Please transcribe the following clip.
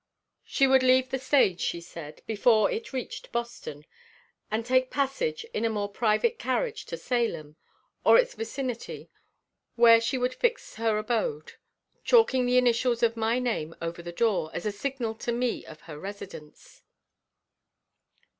She would leave the stage, she said, before it reached Boston, and take passage in a more private carriage to Salem, or its vicinity, where she would fix her abode; chalking the initials of my name over the door, as a signal to me of her residence.